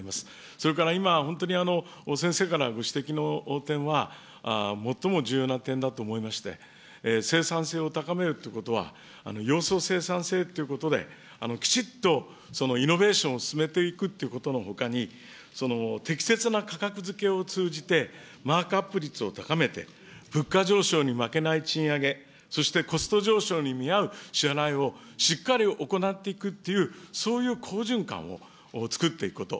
それから今、本当に先生からご指摘の点は、最も重要な点だと思いまして、生産性を高めるということは、ようそう生産性ということできちっとイノベーションを進めていくということのほかに、適切な価格づけを通じてマークアップ率を高めて、物価上昇に負けない賃上げ、そしてコスト上昇に見合う支払いをしっかり行っていくっていう、そういう好循環をつくっていくこと。